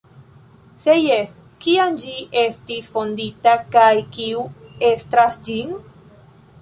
Se jes, kiam ĝi estis fondita kaj kiu estras gin?